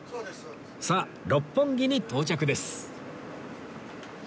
さあ六本木に到着です